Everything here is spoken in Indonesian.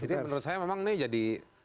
jadi menurut saya memang nih jadi